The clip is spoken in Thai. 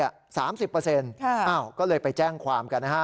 ก็เลยไปแจ้งความกันนะฮะ